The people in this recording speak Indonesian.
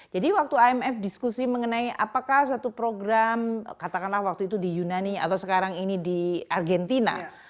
jadi waktu imf diskusi mengenai apakah suatu program katakanlah waktu itu di yunani atau sekarang ini di argentina